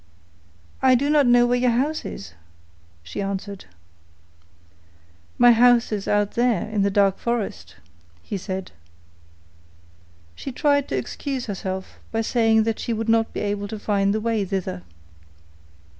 'I do not know where your house is,' she answered. 'My house is out there in the dark forest,' he said. She tried to excuse herself by saying that she would not be able to find the way thither.